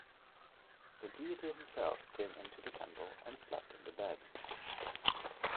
The deity himself came into the temple and slept in the bed.